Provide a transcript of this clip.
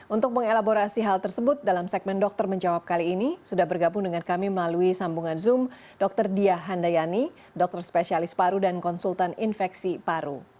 untuk mengelaborasi hal tersebut dalam segmen dokter menjawab kali ini sudah bergabung dengan kami melalui sambungan zoom dr dia handayani dokter spesialis paru dan konsultan infeksi paru